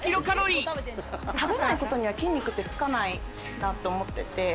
食べないことには筋肉ってつかないなって思ってて。